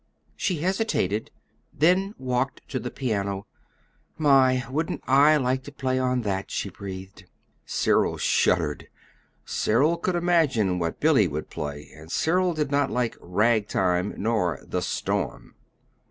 She hesitated, then walked to the piano. "My, wouldn't I like to play on that!" she breathed. Cyril shuddered. Cyril could imagine what Billy would play and Cyril did not like "rag time," nor "The Storm."